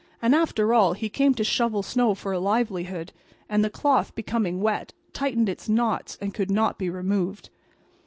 And, after all, he came to shovel snow for a livelihood; and the cloth, becoming wet, tightened its knots and could not be removed.